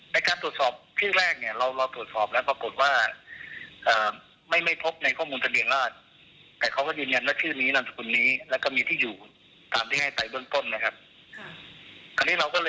ในการตรวจสอบที่แรกเนี่ยเราตรวจสอบแล้วปรากฏว่าไม่พบในข้อมูลทะเลียงราช